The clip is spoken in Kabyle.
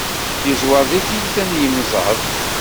Yeẓwer deg tiyita n yimẓad.